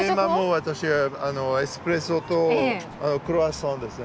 私は、エスプレッソとクロワッサンです。